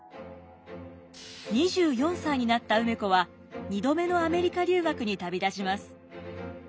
２４歳になった梅子は２度目のアメリカ留学に旅立ちます。